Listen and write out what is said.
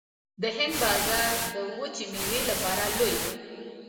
د هند بازار د وچې میوې لپاره لوی دی